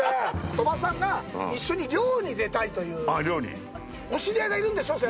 鳥羽さんが一緒に漁に出たいというお知り合いがいるんでしょう？